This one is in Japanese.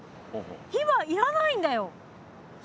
火はいらないんだよ！